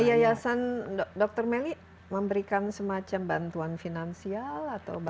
nah yayasan dr meli memberikan semacam bantuan finansial atau bantuan